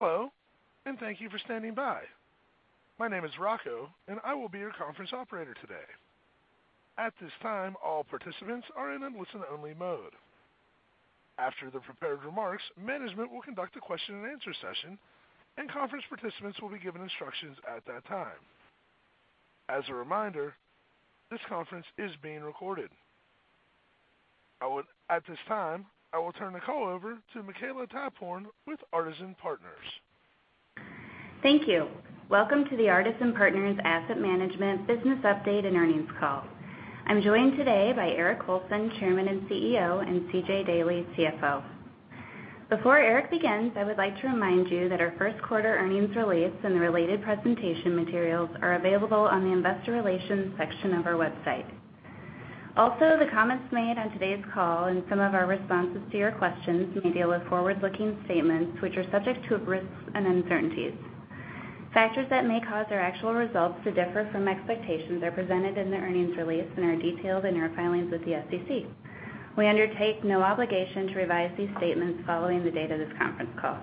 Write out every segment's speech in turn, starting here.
Hello, and thank you for standing by. My name is Rocco, and I will be your conference operator today. At this time, all participants are in a listen-only mode. After the prepared remarks, management will conduct a question and answer session, and conference participants will be given instructions at that time. As a reminder, this conference is being recorded. At this time, I will turn the call over to Makela Taphorn with Artisan Partners. Thank you. Welcome to the Artisan Partners Asset Management business update and earnings call. I am joined today by Eric Colson, Chairman and CEO, and CJ Daley, CFO. Before Eric begins, I would like to remind you that our first quarter earnings release and the related presentation materials are available on the investor relations section of our website. The comments made on today's call and some of our responses to your questions may deal with forward-looking statements which are subject to risks and uncertainties. Factors that may cause our actual results to differ from expectations are presented in the earnings release and are detailed in our filings with the SEC. We undertake no obligation to revise these statements following the date of this conference call.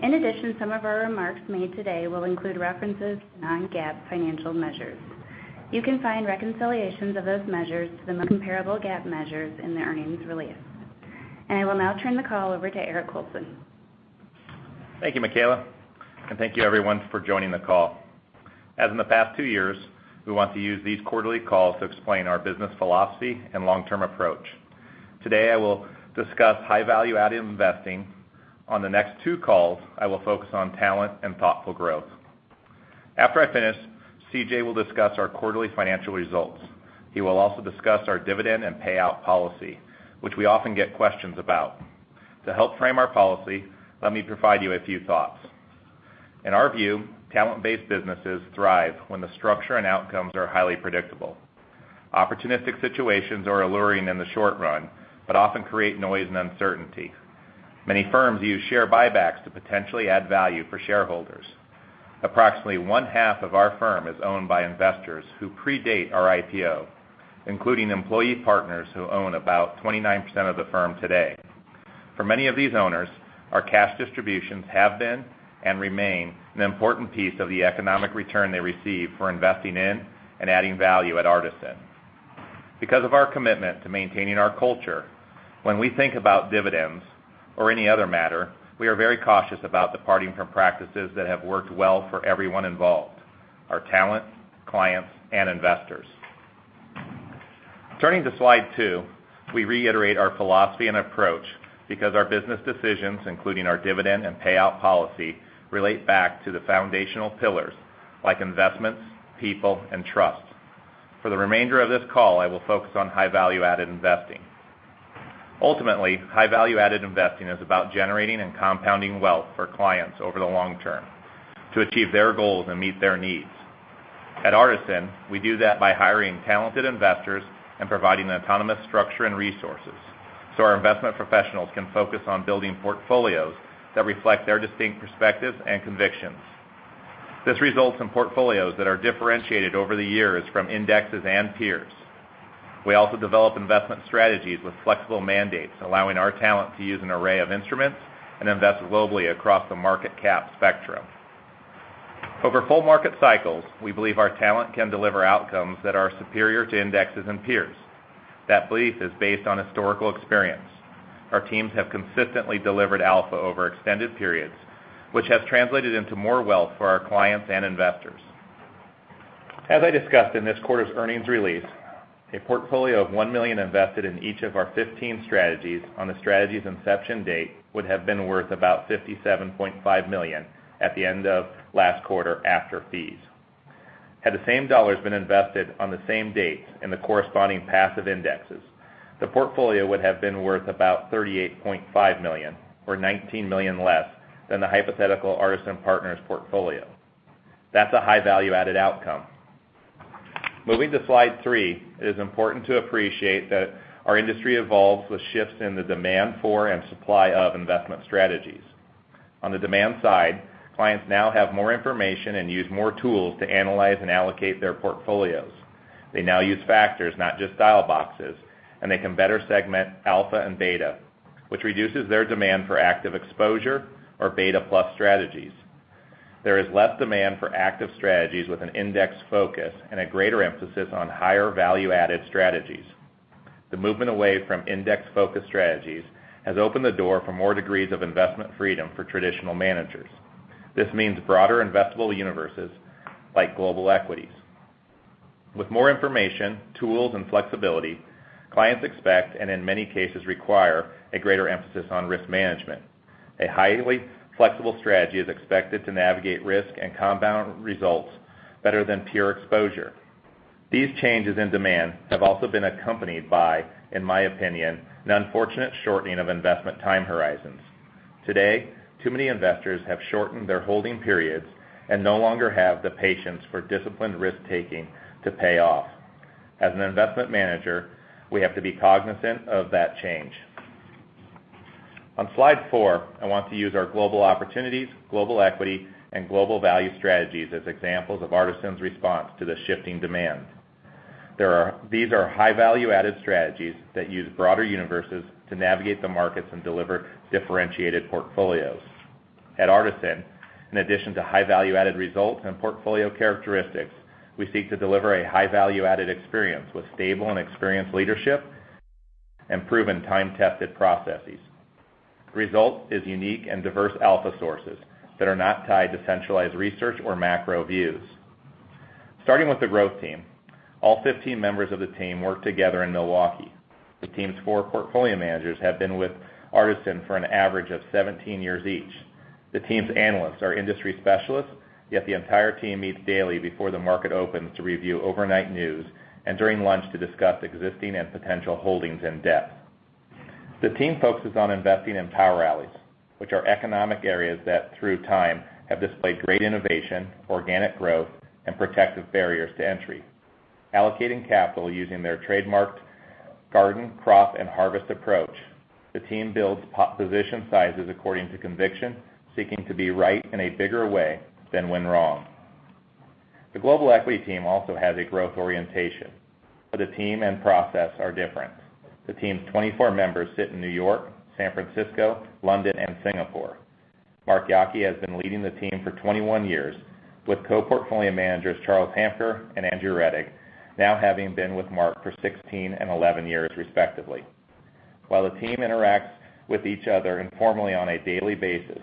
Some of our remarks made today will include references to non-GAAP financial measures. You can find reconciliations of those measures to the most comparable GAAP measures in the earnings release. I will now turn the call over to Eric Colson. Thank you, Makela. Thank you everyone for joining the call. As in the past two years, we want to use these quarterly calls to explain our business philosophy and long-term approach. Today, I will discuss high value-added investing. On the next two calls, I will focus on talent and thoughtful growth. After I finish, CJ will discuss our quarterly financial results. He will also discuss our dividend and payout policy, which we often get questions about. To help frame our policy, let me provide you a few thoughts. In our view, talent-based businesses thrive when the structure and outcomes are highly predictable. Opportunistic situations are alluring in the short run, but often create noise and uncertainty. Many firms use share buybacks to potentially add value for shareholders. Approximately one-half of our firm is owned by investors who predate our IPO, including employee partners who own about 29% of the firm today. For many of these owners, our cash distributions have been and remain an important piece of the economic return they receive for investing in and adding value at Artisan. Because of our commitment to maintaining our culture, when we think about dividends or any other matter, we are very cautious about departing from practices that have worked well for everyone involved, our talent, clients, and investors. Turning to slide two, we reiterate our philosophy and approach because our business decisions, including our dividend and payout policy, relate back to the foundational pillars like investments, people, and trust. For the remainder of this call, I will focus on high value-added investing. Ultimately, high value-added investing is about generating and compounding wealth for clients over the long term to achieve their goals and meet their needs. At Artisan, we do that by hiring talented investors and providing the autonomous structure and resources so our investment professionals can focus on building portfolios that reflect their distinct perspectives and convictions. This results in portfolios that are differentiated over the years from indexes and peers. We also develop investment strategies with flexible mandates, allowing our talent to use an array of instruments and invest globally across the market cap spectrum. Over full market cycles, we believe our talent can deliver outcomes that are superior to indexes and peers. That belief is based on historical experience. Our teams have consistently delivered alpha over extended periods, which has translated into more wealth for our clients and investors. As I discussed in this quarter's earnings release, a portfolio of $1 million invested in each of our 15 strategies on the strategy's inception date would have been worth about $57.5 million at the end of last quarter after fees. Had the same dollars been invested on the same dates in the corresponding passive indexes, the portfolio would have been worth about $38.5 million, or $19 million less than the hypothetical Artisan Partners portfolio. That's a high value-added outcome. Moving to slide three, it is important to appreciate that our industry evolves with shifts in the demand for and supply of investment strategies. On the demand side, clients now have more information and use more tools to analyze and allocate their portfolios. They now use factors, not just style boxes, and they can better segment alpha and beta, which reduces their demand for active exposure or beta plus strategies. There is less demand for active strategies with an index focus and a greater emphasis on higher value-added strategies. The movement away from index-focused strategies has opened the door for more degrees of investment freedom for traditional managers. This means broader investable universes like global equities. With more information, tools, and flexibility, clients expect, and in many cases require, a greater emphasis on risk management. A highly flexible strategy is expected to navigate risk and compound results better than pure exposure. These changes in demand have also been accompanied by, in my opinion, an unfortunate shortening of investment time horizons. Today, too many investors have shortened their holding periods and no longer have the patience for disciplined risk-taking to pay off. As an investment manager, we have to be cognizant of that change. On slide four, I want to use our Global Opportunities, global equity, and global value strategies as examples of Artisan's response to the shifting demand. These are high value-added strategies that use broader universes to navigate the markets and deliver differentiated portfolios. At Artisan, in addition to high value-added results and portfolio characteristics, we seek to deliver a high value-added experience with stable and experienced leadership and proven time-tested processes. The result is unique and diverse alpha sources that are not tied to centralized research or macro views. Starting with the growth team, all 15 members of the team work together in Milwaukee. The team's four portfolio managers have been with Artisan for an average of 17 years each. The team's analysts are industry specialists, yet the entire team meets daily before the market opens to review overnight news and during lunch to discuss existing and potential holdings in depth. The team focuses on investing in power rallies, which are economic areas that, through time, have displayed great innovation, organic growth, and protective barriers to entry. Allocating capital using their trademarked GardenSM, CropSM, and HarvestSM approach, the team builds position sizes according to conviction, seeking to be right in a bigger way than when wrong. The global equity team also has a growth orientation, but the team and process are different. The team's 24 members sit in New York, San Francisco, London, and Singapore. Mark Yockey has been leading the team for 21 years with co-portfolio managers Charles Hamker and Andrew Rettig now having been with Mark for 16 and 11 years respectively. While the team interacts with each other informally on a daily basis,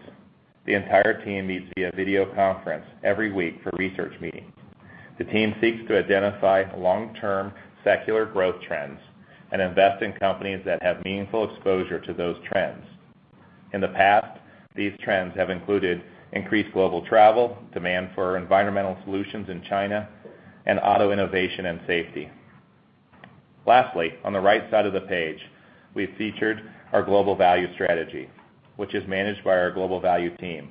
the entire team meets via video conference every week for research meetings. The team seeks to identify long-term secular growth trends and invest in companies that have meaningful exposure to those trends. In the past, these trends have included increased global travel, demand for environmental solutions in China, and auto innovation and safety. Lastly, on the right side of the page, we featured our global value strategy, which is managed by our global value team.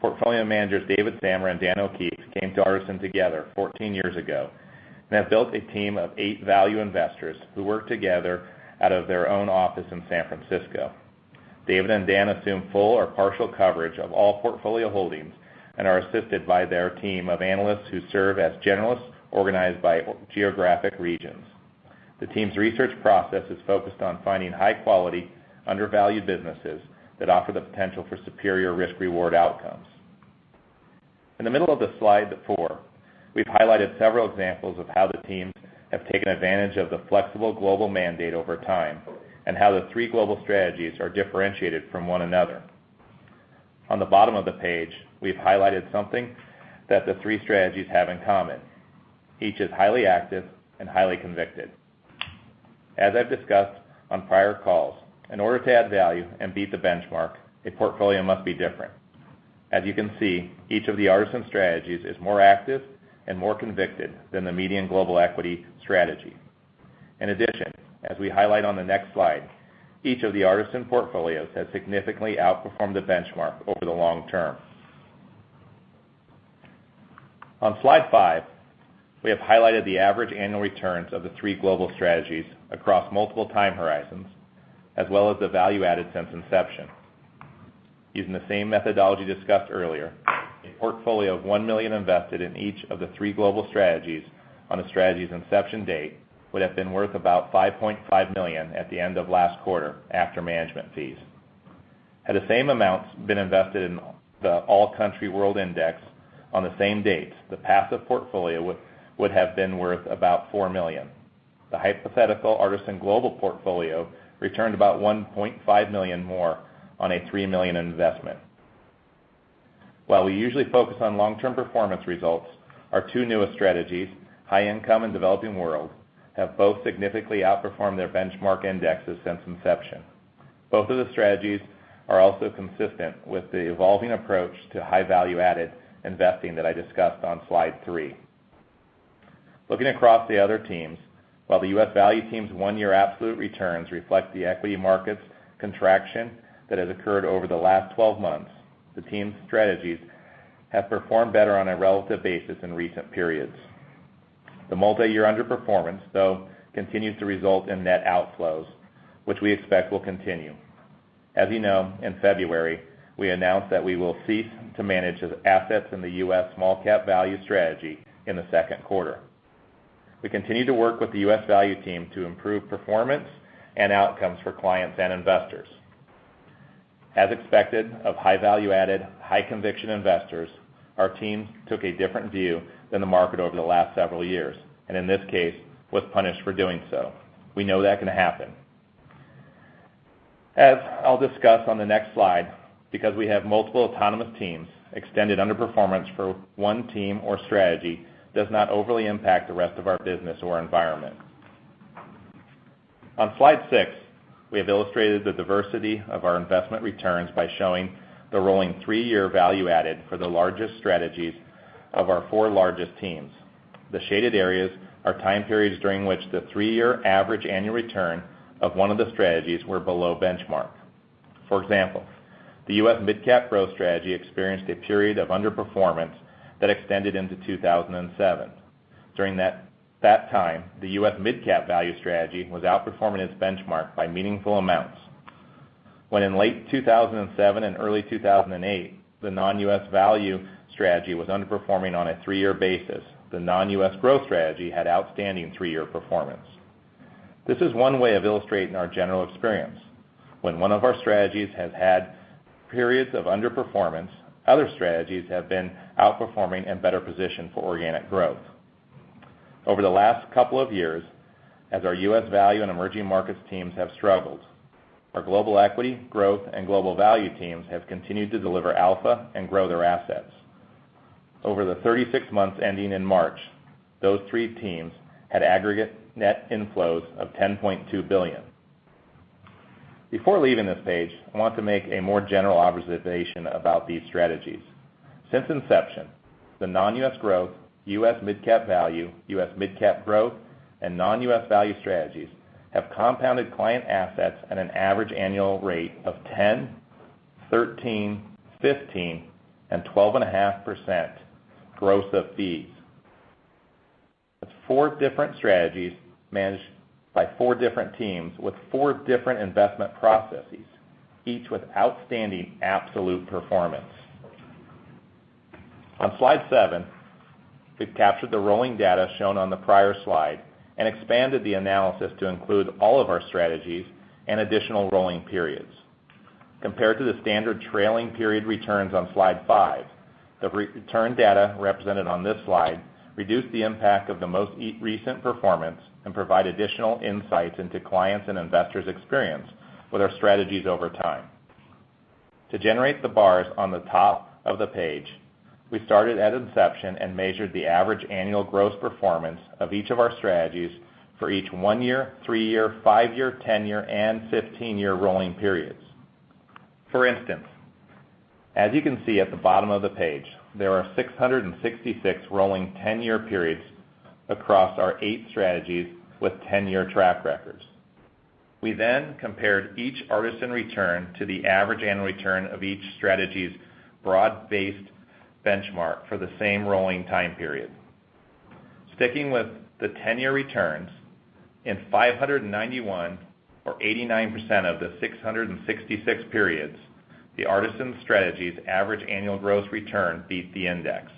Portfolio managers David Samra and Dan O'Keefe came to Artisan together 14 years ago and have built a team of eight value investors who work together out of their own office in San Francisco. David and Dan assume full or partial coverage of all portfolio holdings and are assisted by their team of analysts who serve as generalists organized by geographic regions. The team's research process is focused on finding high-quality, undervalued businesses that offer the potential for superior risk-reward outcomes. In the middle of the slide before, we've highlighted several examples of how the teams have taken advantage of the flexible global mandate over time and how the three global strategies are differentiated from one another. On the bottom of the page, we've highlighted something that the three strategies have in common. Each is highly active and highly convicted. As I've discussed on prior calls, in order to add value and beat the benchmark, a portfolio must be different. As you can see, each of the Artisan strategies is more active and more convicted than the median global equity strategy. In addition, as we highlight on the next slide, each of the Artisan portfolios has significantly outperformed the benchmark over the long term. On slide five, we have highlighted the average annual returns of the three global strategies across multiple time horizons, as well as the value added since inception. Using the same methodology discussed earlier, a portfolio of $1 million invested in each of the three global strategies on a strategy's inception date would have been worth about $5.5 million at the end of last quarter after management fees. Had the same amounts been invested in the All Country World Index on the same dates, the passive portfolio would have been worth about $4 million. The hypothetical Artisan global portfolio returned about $1.5 million more on a $3 million investment. While we usually focus on long-term performance results, our two newest strategies, high income and developing world, have both significantly outperformed their benchmark indexes since inception. Both of the strategies are also consistent with the evolving approach to high value-added investing that I discussed on slide three. Looking across the other teams, while the U.S. Value team's one-year absolute returns reflect the equity market's contraction that has occurred over the last 12 months, the team's strategies have performed better on a relative basis in recent periods. The multi-year underperformance, though, continues to result in net outflows, which we expect will continue. As you know, in February, we announced that we will cease to manage the assets in the U.S. Small Cap Value strategy in the second quarter. We continue to work with the U.S. Value team to improve performance and outcomes for clients and investors. As expected of high value-added, high conviction investors, our teams took a different view than the market over the last several years and, in this case, was punished for doing so. We know that can happen. As I'll discuss on the next slide, because we have multiple autonomous teams, extended underperformance for one team or strategy does not overly impact the rest of our business or environment. On slide six, we have illustrated the diversity of our investment returns by showing the rolling three-year value added for the largest strategies of our four largest teams. The shaded areas are time periods during which the three-year average annual return of one of the strategies were below benchmark. For example, the U.S. Mid Cap Growth strategy experienced a period of underperformance that extended into 2007. During that time, the U.S. Mid Cap Value strategy was outperforming its benchmark by meaningful amounts. When in late 2007 and early 2008, the non-U.S. value strategy was underperforming on a three-year basis. The non-U.S. growth strategy had outstanding three-year performance. This is one way of illustrating our general experience. When one of our strategies has had periods of underperformance, other strategies have been outperforming and better positioned for organic growth. Over the last couple of years, as our U.S. value and emerging markets teams have struggled, our global equity growth and global value teams have continued to deliver alpha and grow their assets. Over the 36 months ending in March, those three teams had aggregate net inflows of $10.2 billion. Before leaving this page, I want to make a more general observation about these strategies. Since inception, the non-U.S. growth, U.S. Mid Cap Value, U.S. Mid Cap Growth, and non-U.S. value strategies have compounded client assets at an average annual rate of 10%, 13%, 15%, and 12.5% gross of fees. That's four different strategies managed by four different teams with four different investment processes, each with outstanding absolute performance. On slide seven, we've captured the rolling data shown on the prior slide and expanded the analysis to include all of our strategies and additional rolling periods. Compared to the standard trailing period returns on slide five, the return data represented on this slide reduce the impact of the most recent performance and provide additional insights into clients' and investors' experience with our strategies over time. To generate the bars on the top of the page, we started at inception and measured the average annual gross performance of each of our strategies for each one year, three year, five year, 10 year, and 15 year rolling periods. For instance, as you can see at the bottom of the page, there are 666 rolling 10-year periods across our eight strategies with 10-year track records. We then compared each Artisan return to the average annual return of each strategy's broad-based benchmark for the same rolling time period. Sticking with the 10-year returns, in 591, or 89% of the 666 periods, the Artisan strategies average annual gross return beat the index.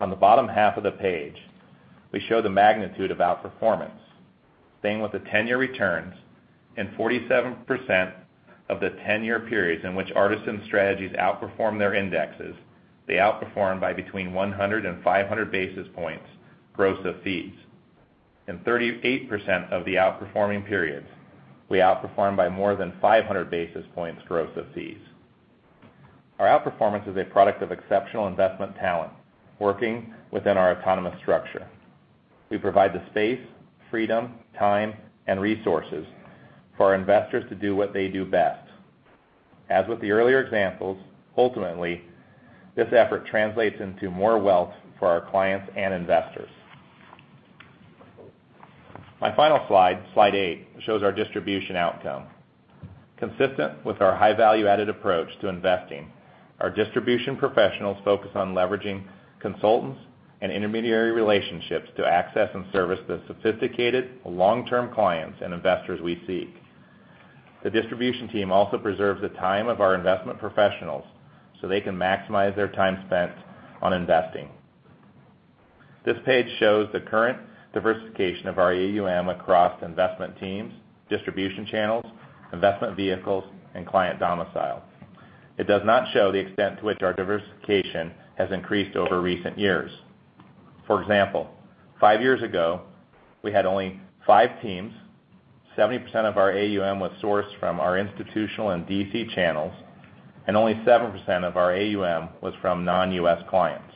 On the bottom half of the page, we show the magnitude of outperformance. Staying with the 10-year returns, in 47% of the 10-year periods in which Artisan strategies outperformed their indexes, they outperformed by between 100 and 500 basis points gross of fees. In 38% of the outperforming periods, we outperformed by more than 500 basis points gross of fees. Our outperformance is a product of exceptional investment talent working within our autonomous structure. We provide the space, freedom, time, and resources for our investors to do what they do best. As with the earlier examples, ultimately, this effort translates into more wealth for our clients and investors. My final slide eight, shows our distribution outcome. Consistent with our high value-added approach to investing, our distribution professionals focus on leveraging consultants and intermediary relationships to access and service the sophisticated long-term clients and investors we seek. The distribution team also preserves the time of our investment professionals so they can maximize their time spent on investing. This page shows the current diversification of our AUM across investment teams, distribution channels, investment vehicles, and client domiciles. It does not show the extent to which our diversification has increased over recent years. For example, five years ago, we had only five teams, 70% of our AUM was sourced from our institutional and DC channels, and only 7% of our AUM was from non-U.S. clients.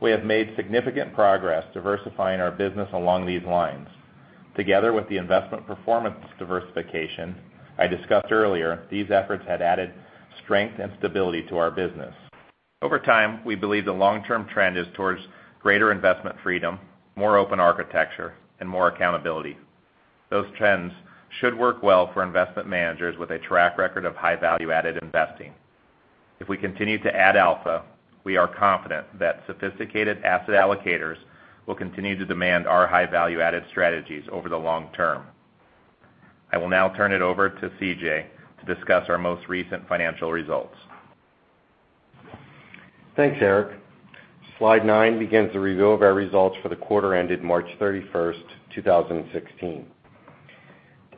We have made significant progress diversifying our business along these lines. Together with the investment performance diversification I discussed earlier, these efforts had added strength and stability to our business. Over time, we believe the long-term trend is towards greater investment freedom, more open architecture, and more accountability. Those trends should work well for investment managers with a track record of high value-added investing. If we continue to add alpha, we are confident that sophisticated asset allocators will continue to demand our high value-added strategies over the long term. I will now turn it over to CJ to discuss our most recent financial results. Thanks, Eric. Slide nine begins the review of our results for the quarter ended March 31st, 2016.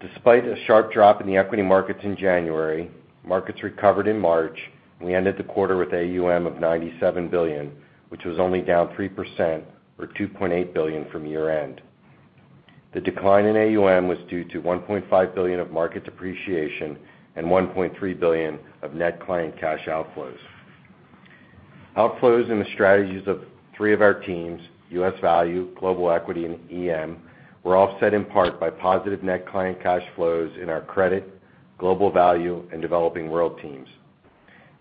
Despite a sharp drop in the equity markets in January, markets recovered in March, and we ended the quarter with AUM of $97 billion, which was only down 3%, or $2.8 billion from year-end. The decline in AUM was due to $1.5 billion of market depreciation and $1.3 billion of net client cash outflows. Outflows in the strategies of three of our teams, U.S. value, global equity, and EM, were offset in part by positive net client cash flows in our credit, global value, and developing world teams.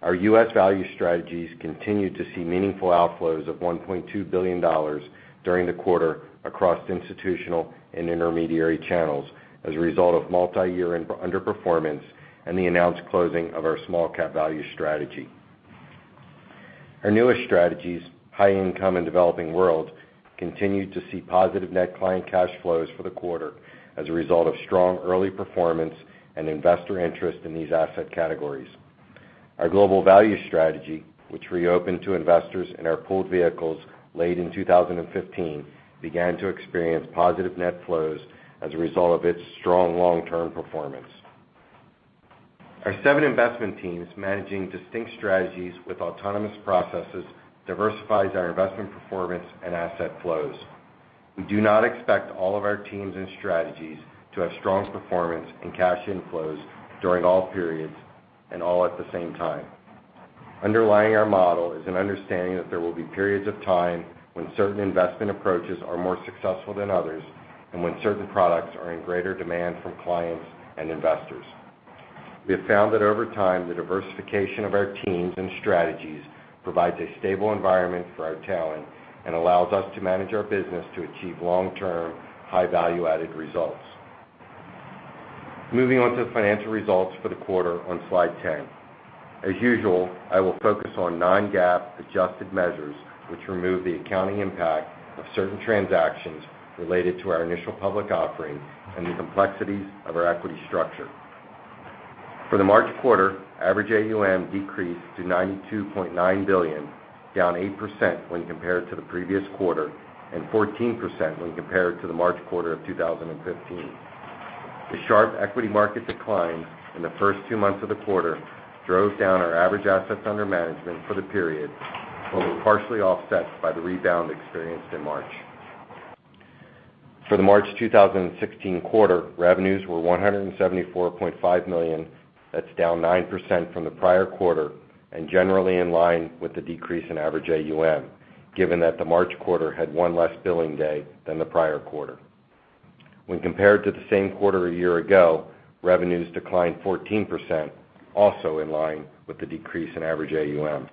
Our U.S. value strategies continued to see meaningful outflows of $1.2 billion during the quarter across institutional and intermediary channels as a result of multi-year underperformance and the announced closing of our small cap value strategy. Our newest strategies, high income and developing world, continued to see positive net client cash flows for the quarter as a result of strong early performance and investor interest in these asset categories. Our global value strategy, which reopened to investors in our pooled vehicles late in 2015, began to experience positive net flows as a result of its strong long-term performance. Our seven investment teams managing distinct strategies with autonomous processes diversifies our investment performance and asset flows. We do not expect all of our teams and strategies to have strong performance and cash inflows during all periods and all at the same time. Underlying our model is an understanding that there will be periods of time when certain investment approaches are more successful than others and when certain products are in greater demand from clients and investors. We have found that over time, the diversification of our teams and strategies provides a stable environment for our talent and allows us to manage our business to achieve long-term, high value-added results. Moving on to the financial results for the quarter on slide 10. As usual, I will focus on non-GAAP adjusted measures, which remove the accounting impact of certain transactions related to our initial public offering and the complexities of our equity structure. For the March quarter, average AUM decreased to $92.9 billion, down 8% when compared to the previous quarter and 14% when compared to the March quarter of 2015. The sharp equity market decline in the first two months of the quarter drove down our average assets under management for the period, although partially offset by the rebound experienced in March. For the March 2016 quarter, revenues were $174.5 million. That's down 9% from the prior quarter and generally in line with the decrease in average AUM, given that the March quarter had one less billing day than the prior quarter. When compared to the same quarter a year ago, revenues declined 14%, also in line with the decrease in average AUM.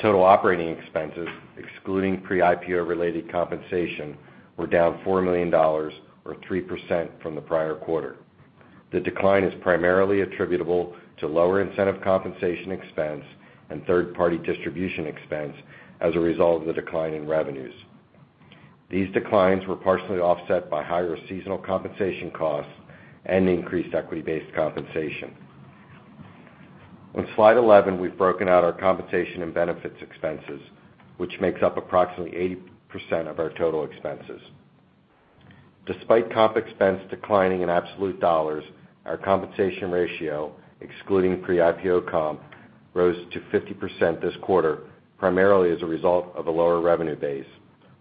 Total operating expenses, excluding pre-IPO related compensation, were down $4 million or 3% from the prior quarter. The decline is primarily attributable to lower incentive compensation expense and third-party distribution expense as a result of the decline in revenues. These declines were partially offset by higher seasonal compensation costs and increased equity-based compensation. On slide 11, we've broken out our compensation and benefits expenses, which makes up approximately 80% of our total expenses. Despite comp expense declining in absolute dollars, our compensation ratio, excluding pre-IPO comp, rose to 50% this quarter, primarily as a result of a lower revenue base,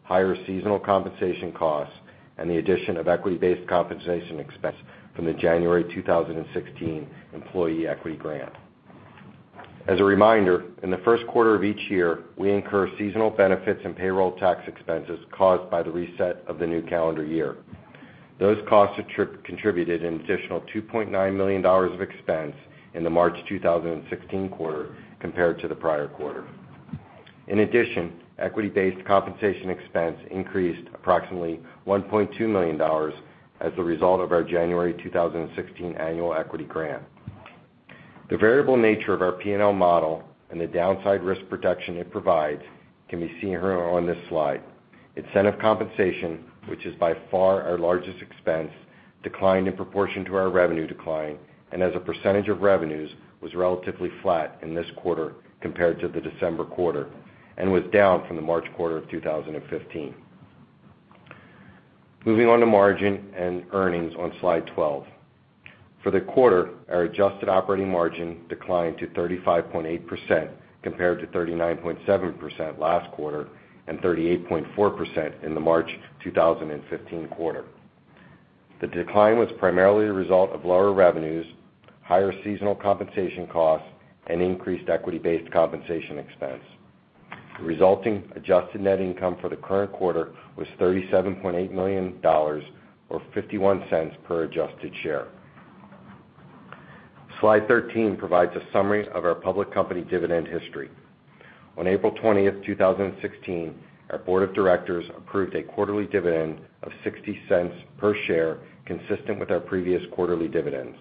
higher seasonal compensation costs, and the addition of equity-based compensation expense from the January 2016 employee equity grant. As a reminder, in the first quarter of each year, we incur seasonal benefits and payroll tax expenses caused by the reset of the new calendar year. Those costs contributed an additional $2.9 million of expense in the March 2016 quarter compared to the prior quarter. In addition, equity-based compensation expense increased approximately $1.2 million as a result of our January 2016 annual equity grant. The variable nature of our P&L model and the downside risk protection it provides can be seen here on this slide. Incentive compensation, which is by far our largest expense, declined in proportion to our revenue decline and as a percentage of revenues, was relatively flat in this quarter compared to the December quarter and was down from the March quarter of 2015. Moving on to margin and earnings on slide 12. For the quarter, our adjusted operating margin declined to 35.8% compared to 39.7% last quarter and 38.4% in the March 2015 quarter. The decline was primarily as a result of lower revenues, higher seasonal compensation costs, and increased equity-based compensation expense. The resulting adjusted net income for the current quarter was $37.8 million or $0.51 per adjusted share. Slide 13 provides a summary of our public company dividend history. On April 20th, 2016, our board of directors approved a quarterly dividend of $0.60 per share, consistent with our previous quarterly dividends.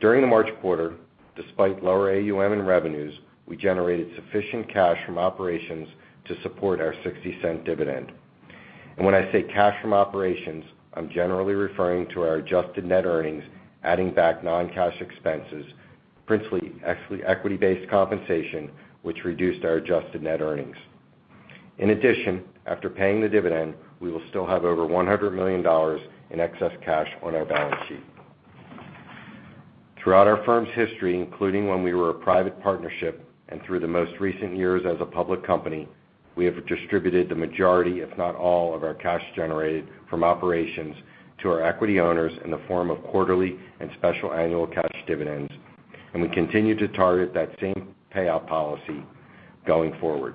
During the March quarter, despite lower AUM in revenues, we generated sufficient cash from operations to support our $0.60 dividend. When I say cash from operations, I'm generally referring to our adjusted net earnings, adding back non-cash expenses, principally equity-based compensation, which reduced our adjusted net earnings. In addition, after paying the dividend, we will still have over $100 million in excess cash on our balance sheet. Throughout our firm's history, including when we were a private partnership and through the most recent years as a public company, we have distributed the majority, if not all, of our cash generated from operations to our equity owners in the form of quarterly and special annual cash dividends, and we continue to target that same payout policy going forward.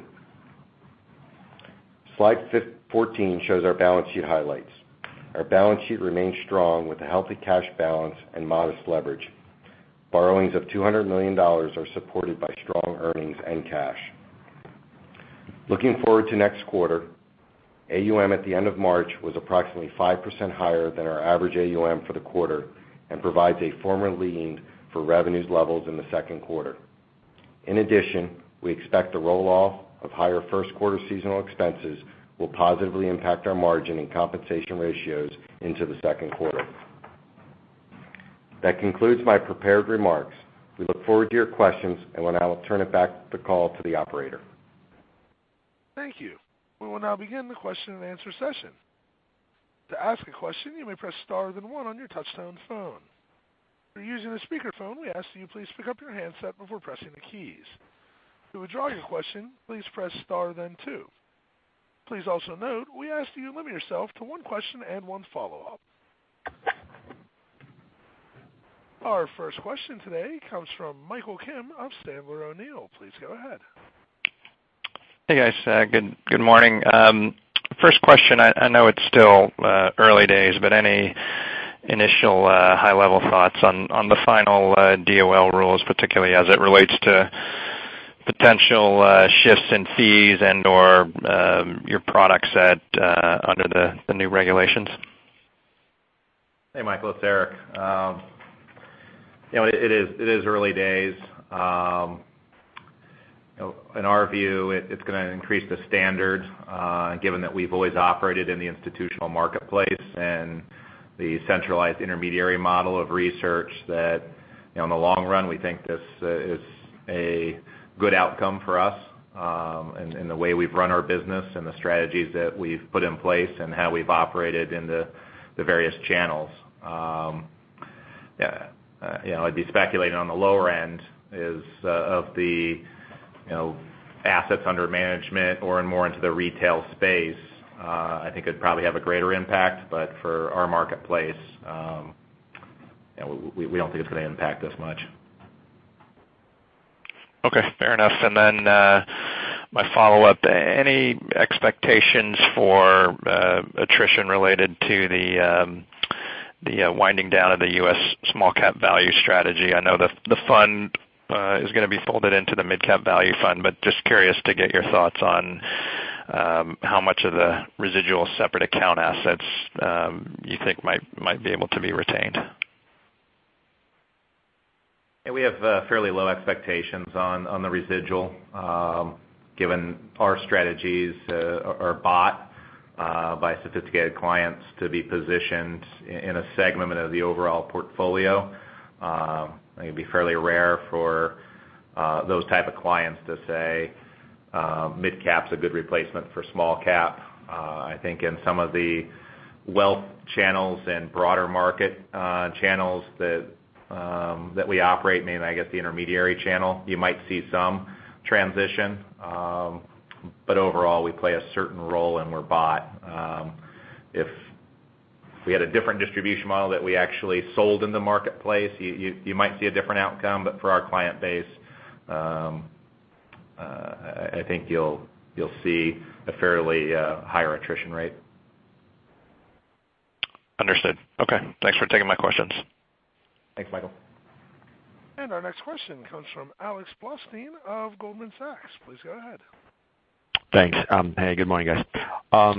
Slide 14 shows our balance sheet highlights. Our balance sheet remains strong with a healthy cash balance and modest leverage. Borrowings of $200 million are supported by strong earnings and cash. Looking forward to next quarter, AUM at the end of March was approximately 5% higher than our average AUM for the quarter and provides a firmer lane for revenues levels in the second quarter. In addition, we expect the roll-off of higher first quarter seasonal expenses will positively impact our margin and compensation ratios into the second quarter. That concludes my prepared remarks. We look forward to your questions. Now I will turn back the call to the operator. Thank you. We will now begin the question and answer session. To ask a question, you may press star then one on your touchtone phone. If you're using a speakerphone, we ask that you please pick up your handset before pressing the keys. To withdraw your question, please press star then two. Please also note, we ask that you limit yourself to one question and one follow-up. Our first question today comes from Michael Kim of Sandler O'Neill. Please go ahead. Hey, guys. Good morning. First question. I know it's still early days. Any initial high-level thoughts on the final DOL rules, particularly as it relates to potential shifts in fees and/or your product set under the new regulations? Hey, Michael, it's Eric. It is early days. In our view, it's going to increase the standard, given that we've always operated in the institutional marketplace and the centralized intermediary model of research that, in the long run, we think this is a good outcome for us in the way we've run our business and the strategies that we've put in place and how we've operated in the various channels. I'd be speculating on the lower end is of the assets under management more and more into the retail space, I think it'd probably have a greater impact. For our marketplace, we don't think it's going to impact as much. Okay, fair enough. My follow-up, any expectations for attrition related to the winding down of the U.S. small cap value strategy? I know the fund is going to be folded into the midcap value fund, but just curious to get your thoughts on how much of the residual separate account assets you think might be able to be retained. Yeah, we have fairly low expectations on the residual given our strategies are bought by sophisticated clients to be positioned in a segment of the overall portfolio. It'd be fairly rare for those type of clients to say midcap's a good replacement for small cap. I think in some of the wealth channels and broader market channels that we operate, mainly, I guess, the intermediary channel, you might see some transition. Overall, we play a certain role and we're bought. If we had a different distribution model that we actually sold in the marketplace, you might see a different outcome. For our client base, I think you'll see a fairly higher attrition rate. Understood. Okay. Thanks for taking my questions. Thanks, Michael. Our next question comes from Alexander Blostein of Goldman Sachs. Please go ahead. Thanks. Hey, good morning, guys.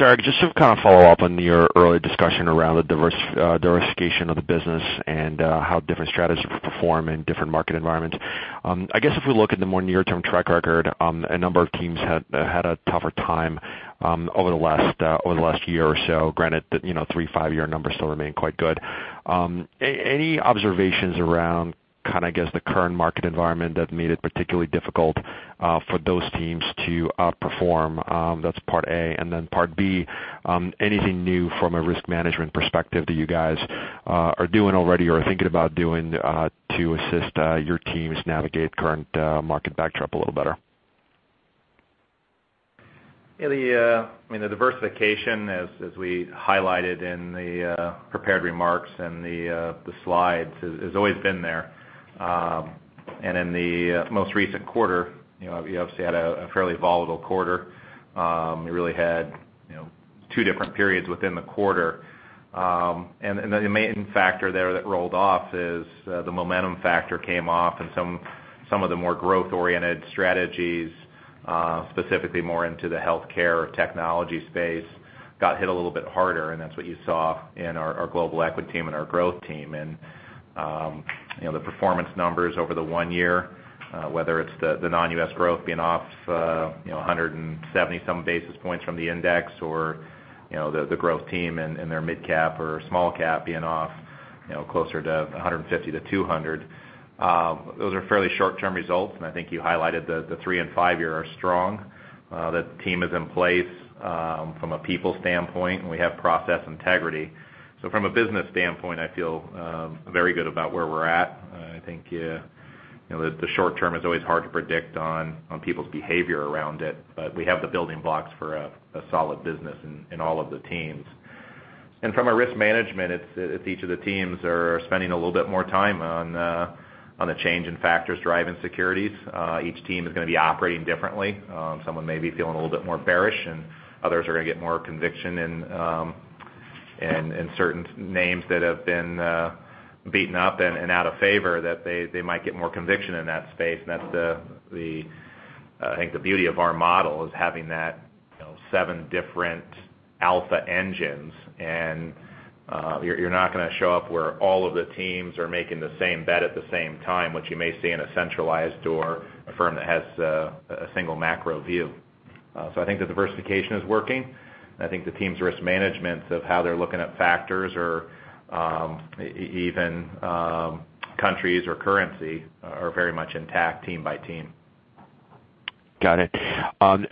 Eric, just to kind of follow up on your earlier discussion around the diversification of the business and how different strategies perform in different market environments. I guess if we look at the more near-term track record, a number of teams had a tougher time over the last year or so, granted that three, five-year numbers still remain quite good. Any observations around, I guess, the current market environment that made it particularly difficult for those teams to outperform? That's part A. Part B, anything new from a risk management perspective that you guys are doing already or are thinking about doing to assist your teams navigate current market backdrop a little better? The diversification, as we highlighted in the prepared remarks and the slides, has always been there. In the most recent quarter, we obviously had a fairly volatile quarter. We really had two different periods within the quarter. The main factor there that rolled off is the momentum factor came off and some of the more growth-oriented strategies, specifically more into the healthcare technology space, got hit a little bit harder, and that's what you saw in our global equity team and our growth team. The performance numbers over the one year, whether it's the non-U.S. growth being off 170-some basis points from the index or the growth team and their midcap or small cap being off closer to 150 to 200. Those are fairly short-term results, and I think you highlighted the three and five year are strong. The team is in place from a people standpoint, and we have process integrity. From a business standpoint, I feel very good about where we're at. I think the short term is always hard to predict on people's behavior around it. We have the building blocks for a solid business in all of the teams. From a risk management, it's each of the teams are spending a little bit more time on the change in factors driving securities. Each team is going to be operating differently. Someone may be feeling a little bit more bearish, and others are going to get more conviction in And certain names that have been beaten up and out of favor, that they might get more conviction in that space. I think the beauty of our model is having that seven different alpha engines. You're not going to show up where all of the teams are making the same bet at the same time, which you may see in a centralized, or a firm that has a single macro view. I think the diversification is working, and I think the teams' risk management of how they're looking at factors or even countries or currency are very much intact team by team. Got it. On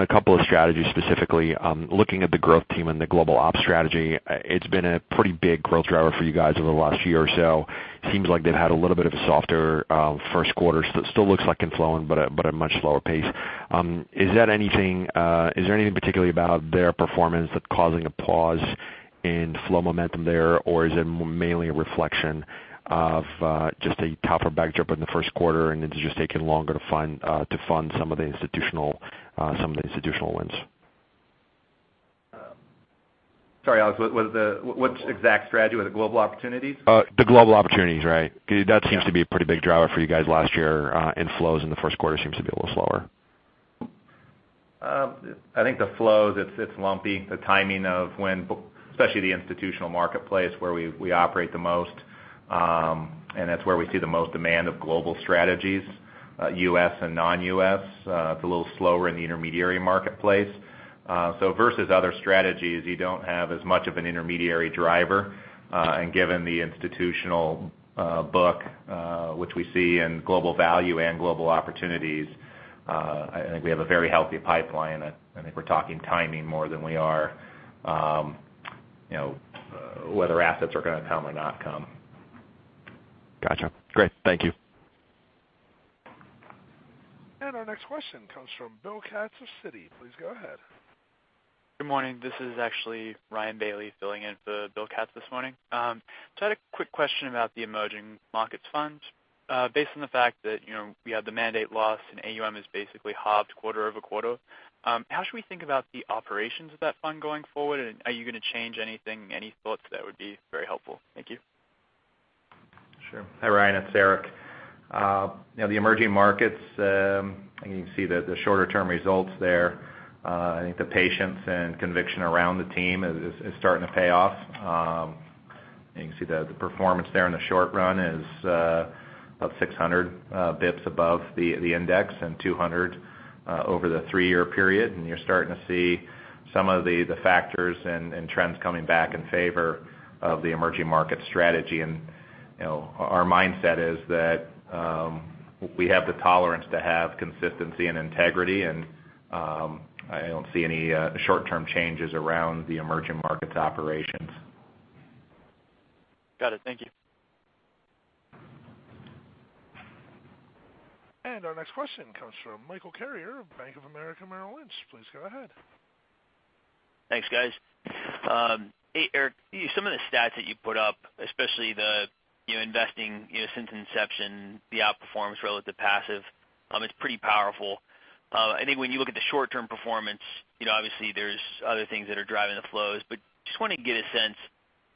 a couple of strategies, specifically, looking at the growth team and the Global Op strategy, it's been a pretty big growth driver for you guys over the last year or so. Seems like they've had a little bit of a softer first quarter. Still looks like in flowing, but at a much slower pace. Is there anything particularly about their performance that's causing a pause in flow momentum there, or is it mainly a reflection of just a tougher backdrop in the first quarter and it's just taking longer to fund some of the institutional wins? Sorry, Alex, which exact strategy? Was it Global Opportunities? The Global Opportunities, right. That seems to be a pretty big driver for you guys last year. Inflows in the first quarter seems to be a little slower. I think the flows, it's lumpy. The timing of when especially the institutional marketplace where we operate the most, and that's where we see the most demand of global strategies, U.S. and non-U.S. It's a little slower in the intermediary marketplace. Versus other strategies, you don't have as much of an intermediary driver. Given the institutional book, which we see in global value and Global Opportunities, I think we have a very healthy pipeline, and I think we're talking timing more than we are whether assets are going to come or not come. Got you. Great. Thank you. Our next question comes from William Katz of Citi. Please go ahead. Good morning. This is actually Ryan Bailey filling in for William Katz this morning. Just had a quick question about the emerging markets fund. Based on the fact that we had the mandate loss and AUM is basically halved quarter-over-quarter, how should we think about the operations of that fund going forward, and are you going to change anything? Any thoughts? That would be very helpful. Thank you. Sure. Hi, Ryan, it's Eric. The emerging markets, I think you can see the shorter-term results there. I think the patience and conviction around the team is starting to pay off. You can see the performance there in the short run is about 600 bips above the index and 200 over the three-year period. You're starting to see some of the factors and trends coming back in favor of the emerging market strategy. Our mindset is that we have the tolerance to have consistency and integrity, and I don't see any short-term changes around the emerging markets operations. Got it. Thank you. Our next question comes from Michael Carrier of Bank of America Merrill Lynch. Please go ahead. Thanks, guys. Hey, Eric, some of the stats that you put up, especially the investing since inception, the outperformance relative passive, it's pretty powerful. I think when you look at the short-term performance, obviously there's other things that are driving the flows, but just want to get a sense,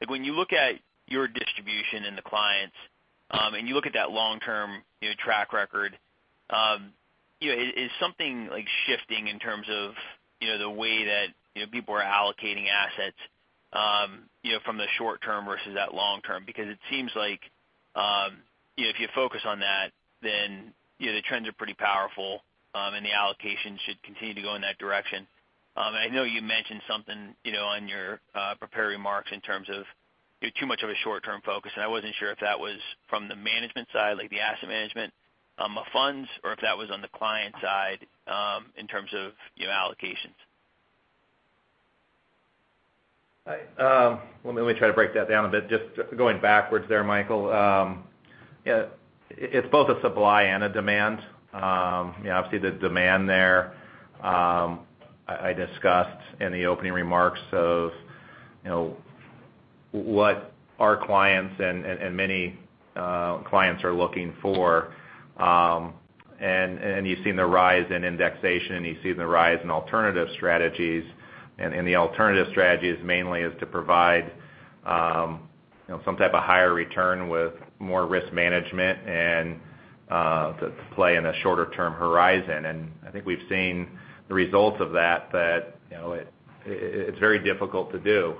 when you look at your distribution and the clients, and you look at that long-term track record, is something shifting in terms of the way that people are allocating assets from the short term versus that long term? It seems like, if you focus on that, then the trends are pretty powerful, and the allocation should continue to go in that direction. I know you mentioned something on your prepared remarks in terms of too much of a short-term focus, I wasn't sure if that was from the management side, like the asset management of funds, or if that was on the client side, in terms of allocations. Let me try to break that down a bit. Just going backwards there, Michael. It's both a supply and a demand. Obviously, the demand there, I discussed in the opening remarks of what our clients and many clients are looking for. You've seen the rise in indexation, and you've seen the rise in alternative strategies. The alternative strategies mainly is to provide some type of higher return with more risk management and to play in a shorter-term horizon. I think we've seen the results of that. It's very difficult to do.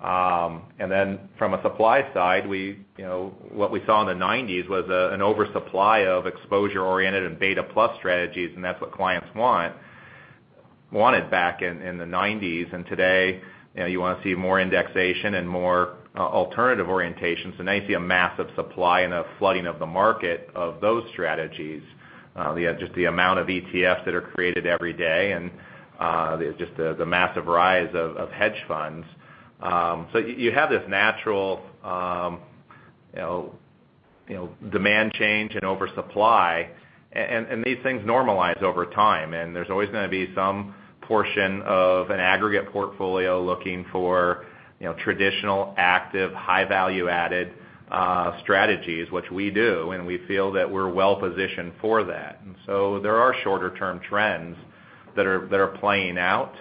From a supply side, what we saw in the '90s was an oversupply of exposure-oriented and beta plus strategies, and that's what clients wanted back in the '90s. Today, you want to see more indexation and more alternative orientations. Now you see a massive supply and a flooding of the market of those strategies. Just the amount of ETFs that are created every day and just the massive rise of hedge funds. You have this natural demand change and oversupply, and these things normalize over time, and there's always going to be some portion of an aggregate portfolio looking for traditional, active, high value-added strategies, which we do, and we feel that we're well-positioned for that. There are shorter-term trends That are playing out.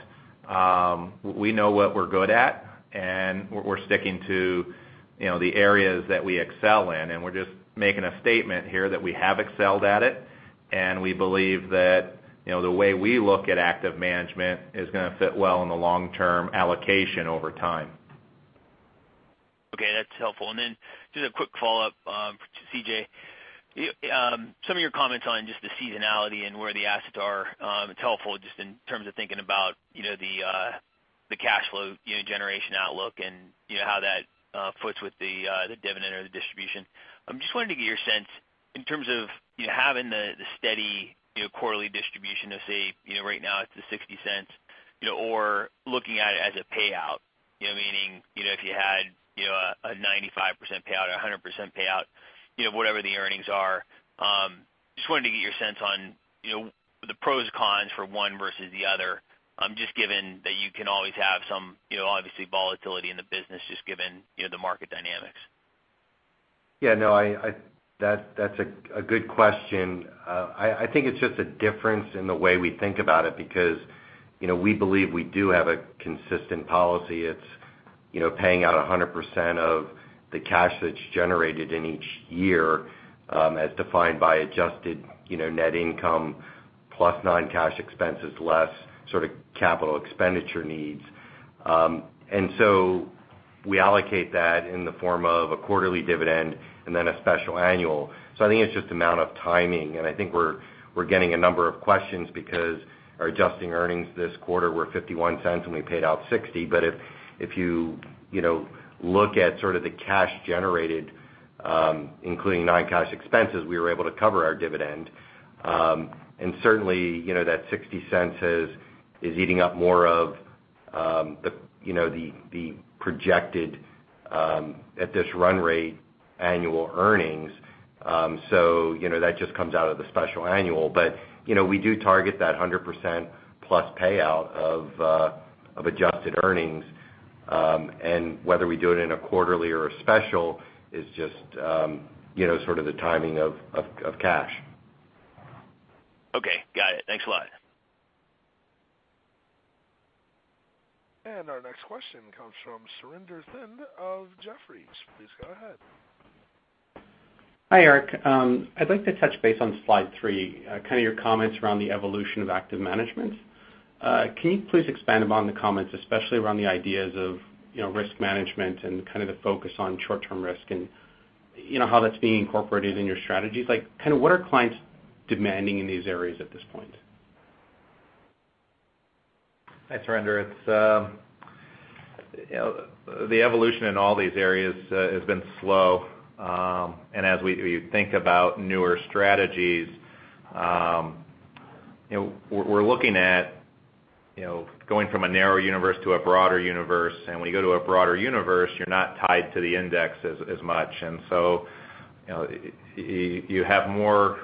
We know what we're good at, and we're sticking to the areas that we excel in, and we're just making a statement here that we have excelled at it. We believe that the way we look at active management is going to fit well in the long-term allocation over time. Okay, that's helpful. Just a quick follow-up to CJ. Some of your comments on just the seasonality and where the assets are. It's helpful just in terms of thinking about the cash flow generation outlook and how that foots with the dividend or the distribution. I'm just wanting to get your sense in terms of you having the steady quarterly distribution of, say, right now it's the $0.60, or looking at it as a payout. Meaning, if you had a 95% payout or 100% payout, whatever the earnings are. Just wanted to get your sense on the pros and cons for one versus the other. Just given that you can always have some, obviously, volatility in the business, just given the market dynamics. Yeah. No, that's a good question. I think it's just a difference in the way we think about it, because we believe we do have a consistent policy. It's paying out 100% of the cash that's generated in each year, as defined by adjusted net income plus non-cash expenses, less sort of capital expenditure needs. We allocate that in the form of a quarterly dividend and then a special annual. I think it's just a matter of timing, and I think we're getting a number of questions because our adjusting earnings this quarter were $0.51 and we paid out $0.60. If you look at sort of the cash generated, including non-cash expenses, we were able to cover our dividend. Certainly, that $0.60 is eating up more of the projected at this run rate annual earnings. That just comes out of the special annual. We do target that 100% plus payout of adjusted earnings, and whether we do it in a quarterly or a special is just sort of the timing of cash. Okay, got it. Thanks a lot. Our next question comes from Surinder Thind of Jefferies. Please go ahead. Hi, Eric. I'd like to touch base on slide three, kind of your comments around the evolution of active management. Can you please expand upon the comments, especially around the ideas of risk management and kind of the focus on short-term risk, and how that's being incorporated in your strategies? Like, what are clients demanding in these areas at this point? Hi, Surinder. The evolution in all these areas has been slow. As we think about newer strategies, we're looking at going from a narrow universe to a broader universe. When you go to a broader universe, you're not tied to the index as much. So, you have more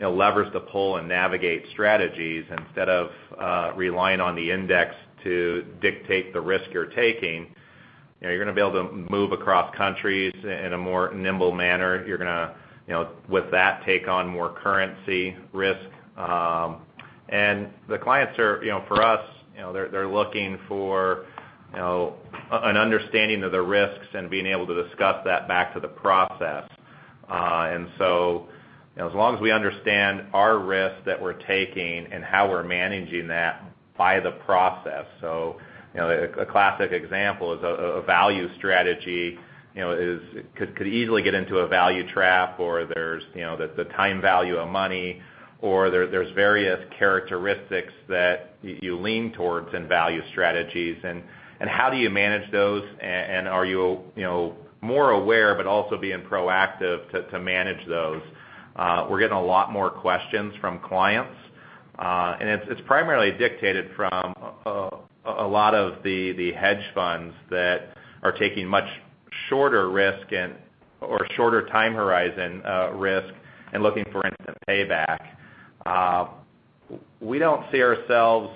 levers to pull and navigate strategies instead of relying on the index to dictate the risk you're taking. You're going to be able to move across countries in a more nimble manner. You're going to, with that, take on more currency risk. The clients are, for us, they're looking for an understanding of the risks and being able to discuss that back to the process. So, as long as we understand our risk that we're taking and how we're managing that by the process. A classic example is a value strategy could easily get into a value trap or there's the time value of money, or there's various characteristics that you lean towards in value strategies, and how do you manage those? Are you more aware but also being proactive to manage those? We're getting a lot more questions from clients. It's primarily dictated from a lot of the hedge funds that are taking much shorter risk or shorter time horizon risk and looking for instant payback. We don't see ourselves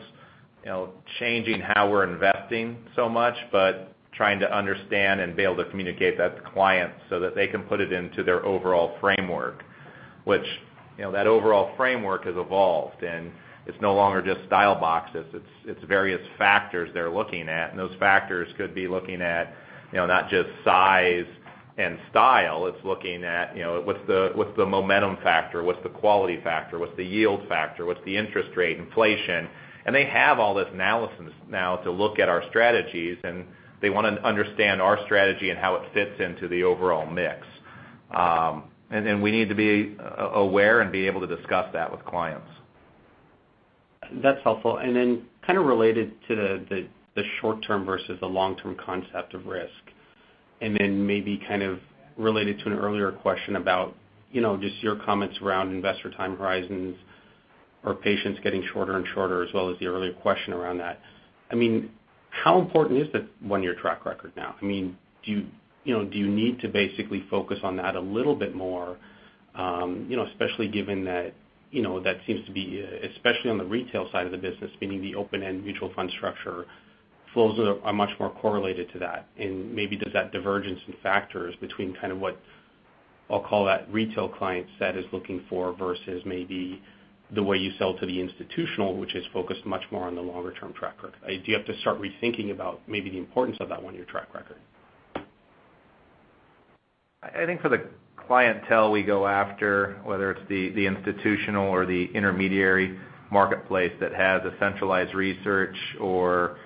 changing how we're investing so much, but trying to understand and be able to communicate that to clients so that they can put it into their overall framework. Which that overall framework has evolved, and it's no longer just style boxes, it's various factors they're looking at. Those factors could be looking at not just size and style, it's looking at what's the momentum factor, what's the quality factor, what's the yield factor, what's the interest rate inflation? They have all this analysis now to look at our strategies, and they want to understand our strategy and how it fits into the overall mix. We need to be aware and be able to discuss that with clients. That's helpful. Kind of related to the short-term versus the long-term concept of risk, then maybe kind of related to an earlier question about just your comments around investor time horizons or patience getting shorter and shorter, as well as the earlier question around that. How important is the one-year track record now? Do you need to basically focus on that a little bit more, especially given that seems to be, especially on the retail side of the business, meaning the open-end mutual fund structure flows are much more correlated to that. Does that divergence in factors between kind of what I'll call that retail client set is looking for, versus maybe the way you sell to the institutional, which is focused much more on the longer-term track record. Do you have to start rethinking about maybe the importance of that one-year track record? I think for the clientele we go after, whether it's the institutional or the intermediary marketplace that has a centralized research or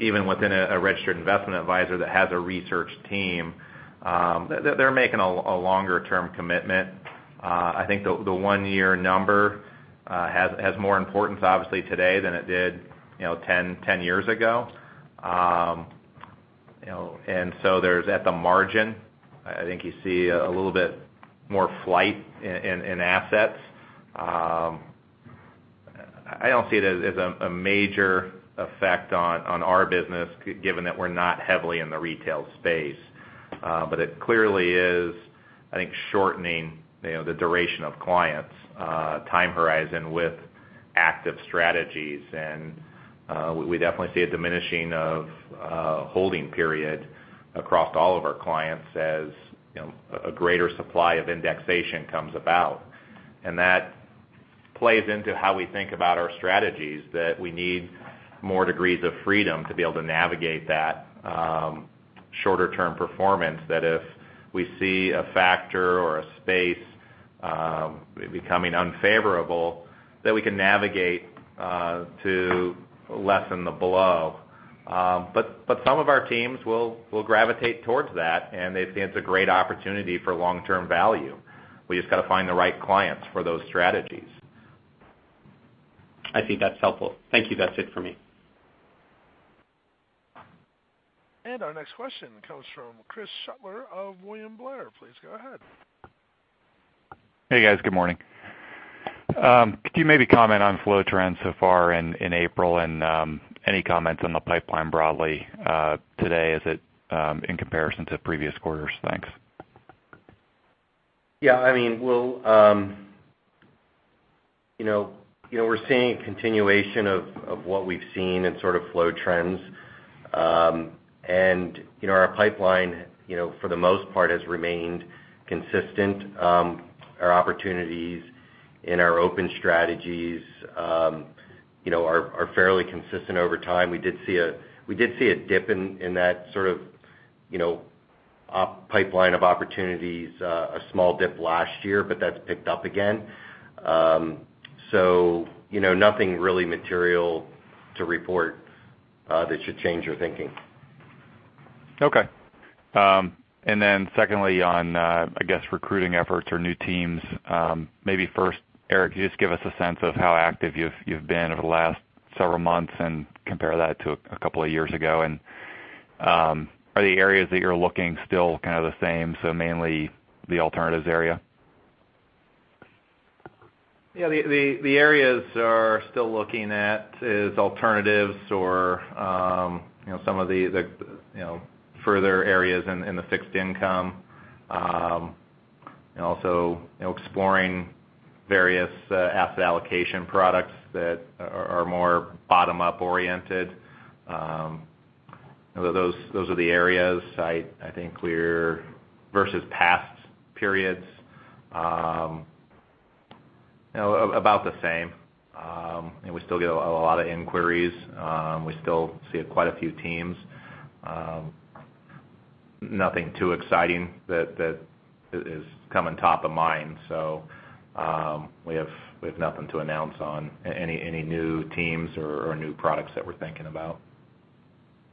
even within a registered investment advisor that has a research team, they're making a longer-term commitment. I think the one-year number has more importance obviously today than it did 10 years ago. There's, at the margin, I think you see a little bit more flight in assets. I don't see it as a major effect on our business, given that we're not heavily in the retail space. It clearly is, I think, shortening the duration of clients' time horizon with active strategies. We definitely see a diminishing of holding period across all of our clients as a greater supply of indexation comes about. That plays into how we think about our strategies, that we need more degrees of freedom to be able to navigate that shorter-term performance, that if we see a factor or a space becoming unfavorable, that we can navigate to lessen the blow. Some of our teams will gravitate towards that, and they see it's a great opportunity for long-term value. We just got to find the right clients for those strategies. I think that's helpful. Thank you. That's it for me. Our next question comes from Chris Shutler of William Blair. Please go ahead. Hey, guys. Good morning. Could you maybe comment on flow trends so far in April, and any comments on the pipeline broadly today as in comparison to previous quarters? Thanks. Yeah. We're seeing a continuation of what we've seen in sort of flow trends. Our pipeline, for the most part, has remained consistent. Our opportunities in our open strategies are fairly consistent over time. We did see a dip in that sort of pipeline of opportunities, a small dip last year, but that's picked up again. Nothing really material to report that should change your thinking. Okay. Secondly on, I guess, recruiting efforts or new teams. Maybe first, Eric, can you just give us a sense of how active you've been over the last several months and compare that to a couple of years ago? Are the areas that you're looking still kind of the same, so mainly the alternatives area? Yeah. The areas we are still looking at is alternatives or some of the further areas in the fixed income. Also exploring various asset allocation products that are more bottom-up oriented. Those are the areas I think versus past periods, about the same. We still get a lot of inquiries. We still see quite a few teams. Nothing too exciting that is coming top of mind, so we have nothing to announce on any new teams or new products that we're thinking about.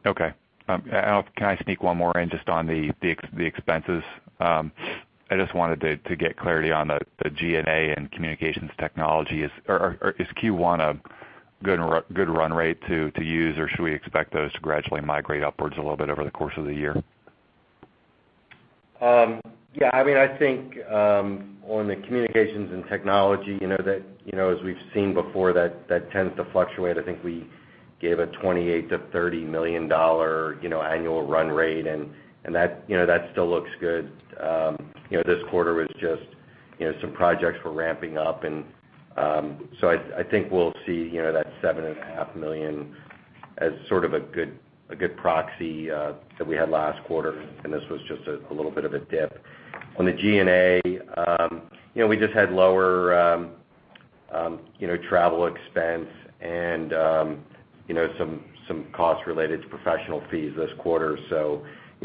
Okay. Can I sneak one more in just on the expenses? I just wanted to get clarity on the G&A and communications technology. Is Q1 a good run rate to use, or should we expect those to gradually migrate upwards a little bit over the course of the year? Yeah. I think on the communications and technology, as we've seen before, that tends to fluctuate. I think we gave a $28 million-$30 million annual run rate, that still looks good. This quarter was just some projects were ramping up. I think we'll see that $7.5 million as sort of a good proxy that we had last quarter, this was just a little bit of a dip. On the G&A, we just had lower travel expense and some costs related to professional fees this quarter.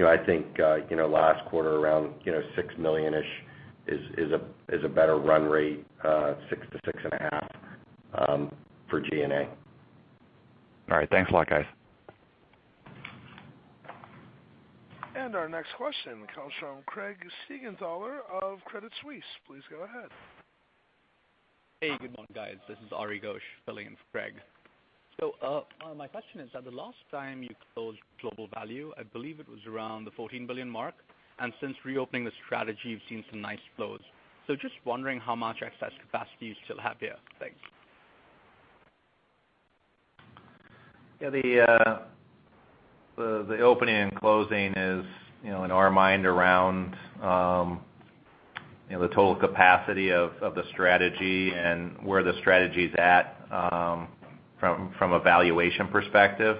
I think last quarter around $6 million-ish is a better run rate, $6 million to six and a half million for G&A. All right. Thanks a lot, guys. Our next question comes from Craig Siegenthaler of Credit Suisse. Please go ahead. Hey, good morning, guys. This is Ari Ghosh filling in for Craig. My question is that the last time you closed global value, I believe it was around the $14 billion mark. Since reopening the strategy, we've seen some nice flows. Just wondering how much excess capacity you still have here. Thanks. Yeah, the opening and closing is, in our mind, around the total capacity of the strategy and where the strategy is at from a valuation perspective.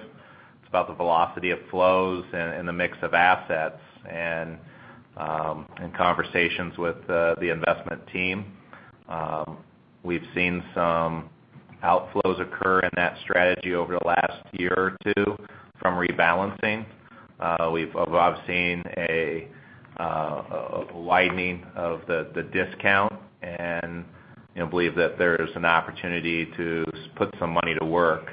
It's about the velocity of flows and the mix of assets. In conversations with the investment team, we've seen some outflows occur in that strategy over the last year or two from rebalancing. We've, obviously, seen a widening of the discount and believe that there's an opportunity to put some money to work.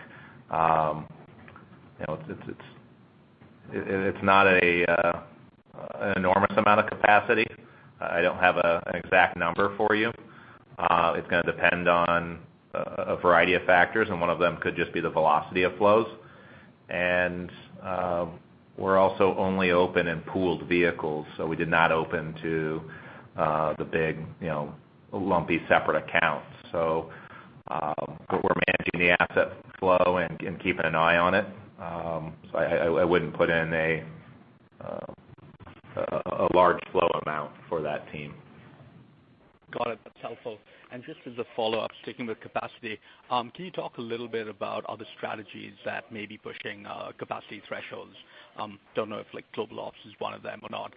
It's not an enormous amount of capacity. I don't have an exact number for you. It's going to depend on a variety of factors, and one of them could just be the velocity of flows. We're also only open in pooled vehicles, so we did not open to the big, lumpy, separate accounts. We're managing the asset flow and keeping an eye on it. I wouldn't put in a large flow amount for that team. Got it. That's helpful. Just as a follow-up, sticking with capacity, can you talk a little bit about other strategies that may be pushing capacity thresholds? Don't know if Global Opportunities is one of them or not.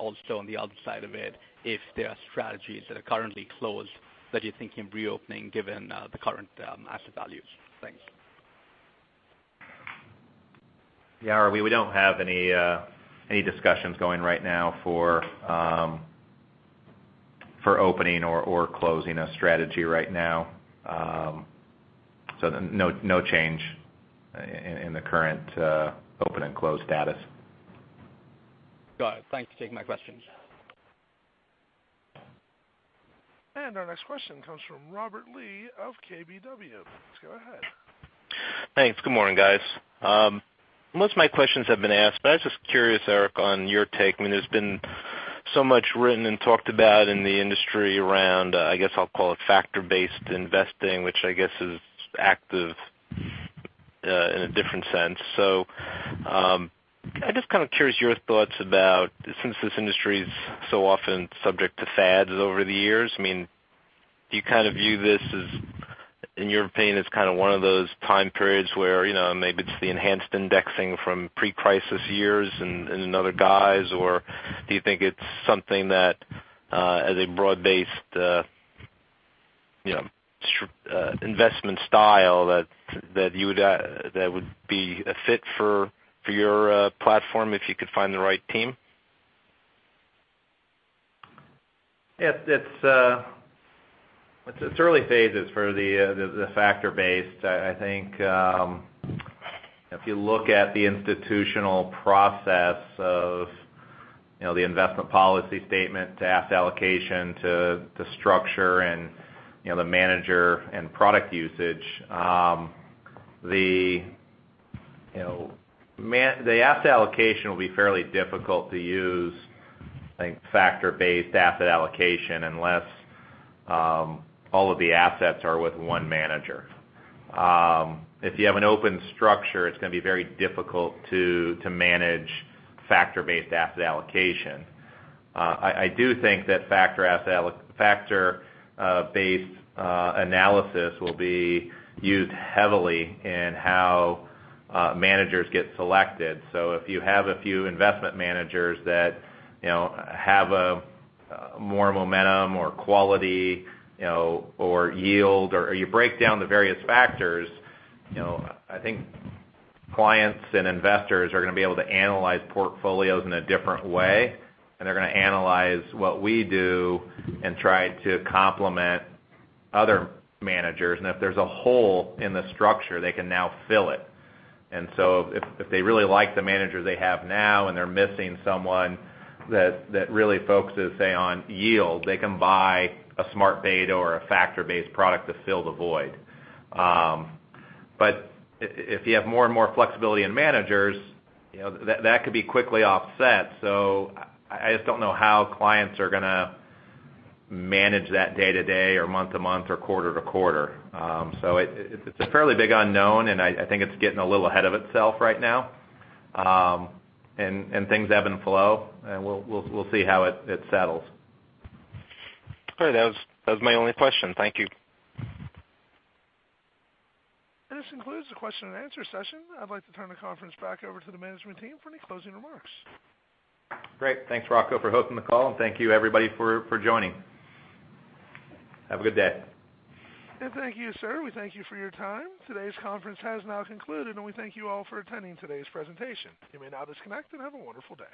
Also on the other side of it, if there are strategies that are currently closed that you think in reopening given the current asset values. Thanks. Yeah. We don't have any discussions going right now for opening or closing a strategy right now. No change in the current open and close status. Got it. Thanks for taking my questions. Our next question comes from Robert Lee of KBW. Please go ahead. Thanks. Good morning, guys. Most of my questions have been asked, but I was just curious, Eric, on your take. There's been so much written and talked about in the industry around, I guess I'll call it factor-based investing, which I guess is active in a different sense. I'm just curious your thoughts about, since this industry is so often subject to fads over the years, do you view this as, in your opinion, it's one of those time periods where maybe it's the enhanced indexing from pre-crisis years in other guise, or do you think it's something that as a broad-based investment style that would be a fit for your platform if you could find the right team? Yeah. It's early phases for the factor-based. I think if you look at the institutional process of the investment policy statement to asset allocation to the structure and the manager and product usage. The asset allocation will be fairly difficult to use, I think factor-based asset allocation, unless all of the assets are with one manager. If you have an open structure, it's going to be very difficult to manage factor-based asset allocation. I do think that factor-based analysis will be used heavily in how managers get selected. If you have a few investment managers that have a more momentum or quality or yield or you break down the various factors, I think clients and investors are going to be able to analyze portfolios in a different way, and they're going to analyze what we do and try to complement other managers. If there's a hole in the structure, they can now fill it. If they really like the manager they have now and they're missing someone that really focuses, say, on yield, they can buy a smart beta or a factor-based product to fill the void. If you have more and more flexibility in managers, that could be quickly offset. I just don't know how clients are going to manage that day to day or month to month or quarter to quarter. It's a fairly big unknown, and I think it's getting a little ahead of itself right now. Things ebb and flow, and we'll see how it settles. Great. That was my only question. Thank you. This concludes the question and answer session. I'd like to turn the conference back over to the management team for any closing remarks. Great. Thanks, Rocco, for hosting the call, and thank you everybody for joining. Have a good day. Thank you, sir. We thank you for your time. Today's conference has now concluded, and we thank you all for attending today's presentation. You may now disconnect and have a wonderful day.